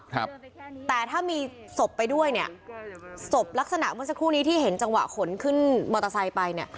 ครับแต่ถ้ามีศพไปด้วยเนี่ยศพลักษณะเมื่อสักครู่นี้ที่เห็นจังหวะขนขึ้นมอเตอร์ไซค์ไปเนี่ย